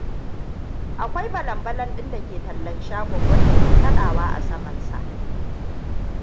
Akwai balan-balan ɗin dake tallan shagon wadda ke kaɗawa a saman sa.